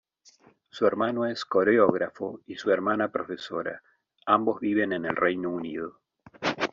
Su hermano es coreógrafo y su hermana profesora, ambos viven en el Reino Unido.